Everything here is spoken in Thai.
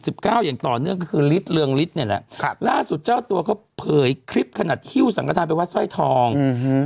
อย่างต่อเนื่องก็คือฤทธิเรืองฤทธิเนี่ยแหละครับล่าสุดเจ้าตัวเขาเผยคลิปขนาดฮิ้วสังกระทานไปวัดสร้อยทองอืม